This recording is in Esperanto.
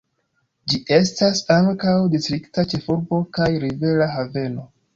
Ĝi estas ankaŭ distrikta ĉefurbo kaj rivera haveno.